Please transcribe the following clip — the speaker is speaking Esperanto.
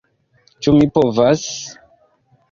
Ĉu mi povas...?